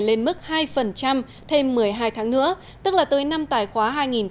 lên mức hai thêm một mươi hai tháng nữa tức là tới năm tài khóa hai nghìn một mươi chín